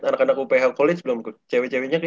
anak anak uph college belum ke cewek ceweknya kayaknya